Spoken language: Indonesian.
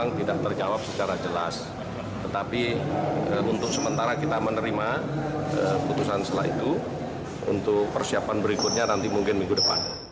nah keputusan setelah itu untuk persiapan berikutnya nanti mungkin minggu depan